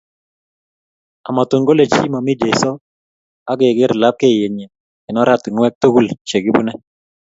Amatun kole chi momi Jesu akekere lapkeyet nyi eng oratunwek tukul che kibune